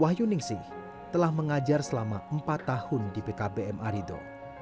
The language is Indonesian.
wahyu ningsih telah mengajar selama empat tahun di pkbm arido